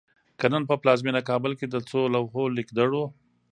که نن په پلازمېنه کابل کې د څو لوحو لیکدړو